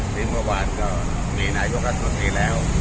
ทีนี้เมื่อวานก็มีนายกรัฐมนตรีแล้ว